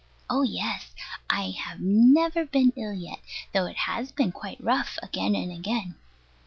Oh, yes. I have never been ill yet, though it has been quite rough again and again.